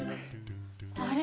あれ？